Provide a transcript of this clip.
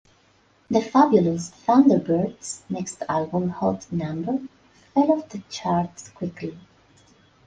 The Fabulous Thunderbirds' next album, "Hot Number", fell off the charts quickly.